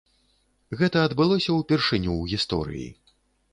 Гэта адбылося ўпершыню ў гісторыі.